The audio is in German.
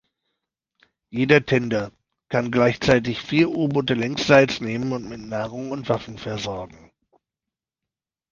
Jeder Tender kann gleichzeitig vier U-Boote längsseits nehmen und mit Nahrung und Waffen versorgen.